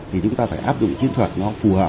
thì chúng ta phải áp dụng chiến thuật nó phù hợp